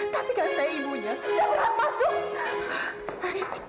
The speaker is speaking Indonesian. tapi karena saya ibunya saya berhak masuk